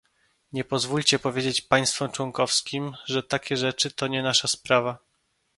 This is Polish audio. Nie pozwólcie powiedzieć państwom członkowskim, że takie rzeczy to nie nasza sprawa